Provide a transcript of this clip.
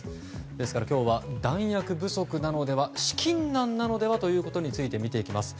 ですから今日は弾薬不足なのでは資金難なのではということについて見ていきます。